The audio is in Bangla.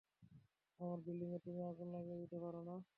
আমার বিল্ডিংয়ে তুমি আগুন লাগিয়ে দিতে পারো না!